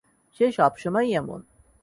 সে সবসময়ই এমন।